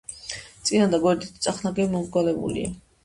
წინა და გვერდითი წახნაგები მომრგვალებულია.